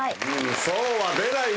そうは出ないね。